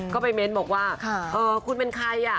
ก็ไปเม้นบอกว่าคุณเป็นใคร